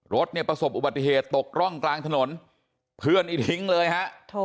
รถเนี่ยประสบอุบัติเหตุตกร่องกลางถนนเพื่อนนี่ทิ้งเลยฮะ